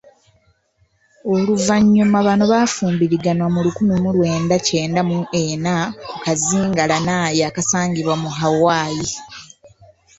Oluvannyuma bano baafumbirigana mu lukumi mu lwenda kyenda mu ena ku kazinga Lanai akasangibwa mu Hawai.